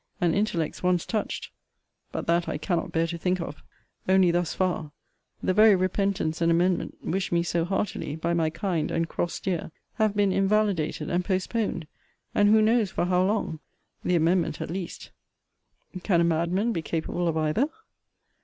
And intellects, once touched but that I cannot bear to think of only thus far; the very repentance and amendment, wished me so heartily by my kind and cross dear, have been invalidated and postponed, and who knows for how long? the amendment at least; can a madman be capable of either?